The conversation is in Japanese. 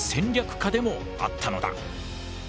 家でもあったのだ。